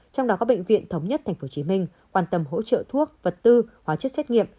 trong đó có bệnh viện thống nhất tp hcm quan tâm hỗ trợ thuốc vật tư hóa chất xét nghiệm